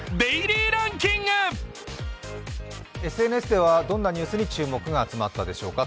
ＳＮＳではどんなニュースに注目が集まったでしょうか。